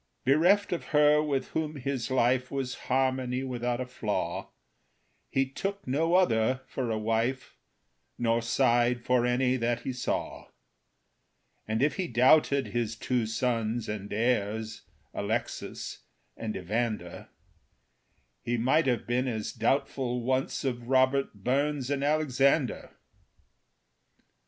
Bereft of her with whom his life Was harmony without a flaw, He took no other for a wife, Nor sighed for any that he saw; And if he doubted his two sons, And heirs, Alexis and Evander, He might have been as doubtful once Of Robert Burns and Alexander.